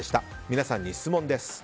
皆さんに質問です。